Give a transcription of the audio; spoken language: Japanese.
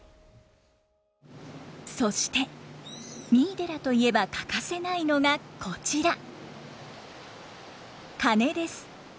そして三井寺といえば欠かせないのがこちら鐘です。